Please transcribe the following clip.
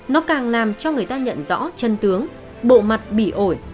nó càng làm cho người ta nhận rõ chân tướng bộ mặt bị ổi